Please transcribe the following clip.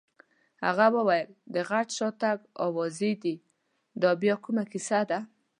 هغه وویل: د غټ شاتګ اوازې دي، دا بیا کومه کیسه ده؟